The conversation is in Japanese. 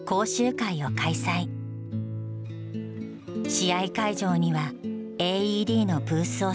試合会場にはＡＥＤのブースを設置。